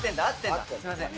すいません。